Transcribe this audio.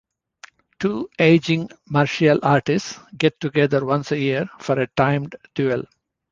Two aging martial artists get together once a year for a timed duel.